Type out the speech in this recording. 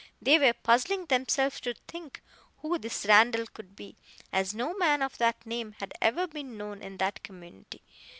They were puzzling themselves to think who this Randall could be, as no man of that name had ever been known in that community.